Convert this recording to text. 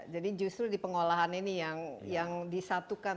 jadi justru di pengelolaan ini yang disatukan